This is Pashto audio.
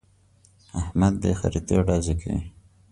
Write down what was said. احمد بې خريطې ډزې کوي.